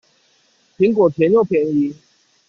蘋果甜又便宜